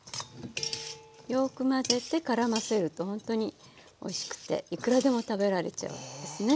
よく混ぜてからませるとほんとにおいしくていくらでも食べられちゃうんですね。